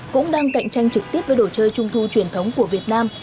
cũng đang cạnh tranh trực tiếp với đồ chơi trung thu truyền thống của việt nam